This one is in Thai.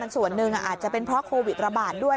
ส่วนหนึ่งอาจจะเป็นเพราะโควิดระบาดด้วย